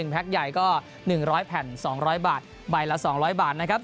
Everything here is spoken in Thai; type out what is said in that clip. แพ็คใหญ่ก็๑๐๐แผ่น๒๐๐บาทใบละ๒๐๐บาทนะครับ